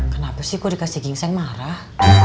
kenapa sih kok dikasih gingseng marah